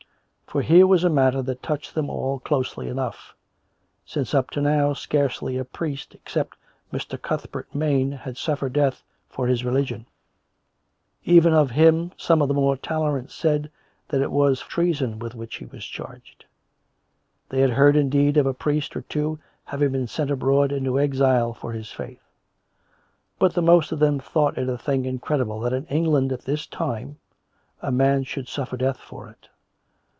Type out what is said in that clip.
For here was a matter that touched them all closely enough; since up to now scarcely a priest except Mr. Cuthbert Maine had suffered death for his religion; and even of him some of the more tolerant said that it was treason with wliich he was charged. They had heard, indeed, of a priest or two having been sent abroad into exile for his faith; but the most of them thought it a tiling incredible that in England at this time a man should suffer death for it.